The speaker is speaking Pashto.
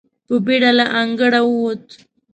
په بېړه له انګړه ووت.